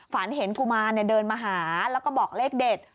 ฝันเห็นกุมารเดินมาหาแล้วก็บอกเลขเด็ด